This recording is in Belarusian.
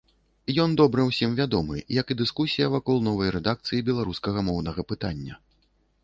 Ён добра ўсім вядомы, як і дыскусія вакол новай рэдакцыі беларускага моўнага пытання.